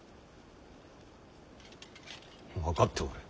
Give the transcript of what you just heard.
分かっておる。